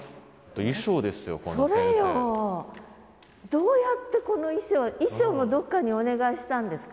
どうやってこの衣装衣装もどっかにお願いしたんですか？